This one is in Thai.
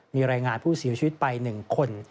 มีรายงานผู้เสียชีวิตไป๑คน